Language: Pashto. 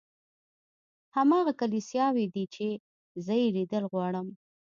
هماغه کلیساوې دي چې زه یې لیدل غواړم.